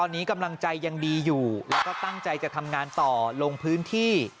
ตอนนี้กำลังใจยังดีอยู่แล้วก็ตั้งใจจะทำงานต่อลงพื้นที่